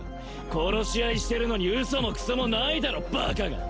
殺し合いしてるのにウソもクソもないだろバカが！